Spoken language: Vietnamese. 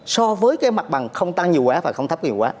so với cái mặt bằng không tăng nhiều quá và không thấp nhiều quá